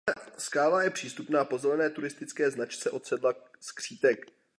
Skála je přístupná po zelené turistické značce od sedla Skřítek.